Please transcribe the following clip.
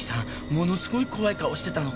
ものすごい怖い顔してたの。